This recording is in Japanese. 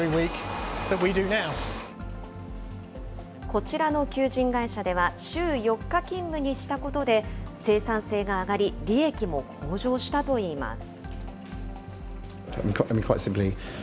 こちらの求人会社では、週４日勤務にしたことで、生産性が上がり、利益も向上したといいます。